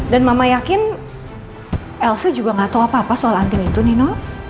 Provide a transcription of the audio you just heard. dan mama yakin elsa juga nggak tau apa apa soal anting itu nino